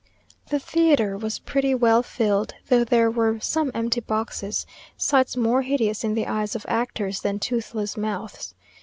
The theatre was pretty well filled, though there were some empty boxes, sights more hideous in the eyes of actors than toothless mouths.